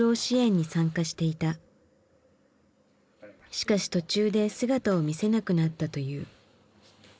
しかし途中で姿を見せなくなったという。